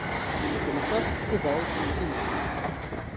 Celucat, Ceval, Cimo